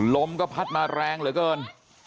ลมก็พัดมาแรงเหลือเกิน